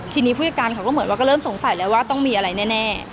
ทีนี้ผู้จัดการเขาก็เหมือนว่าก็เริ่มสงสัยแล้วว่าต้องมีอะไรแน่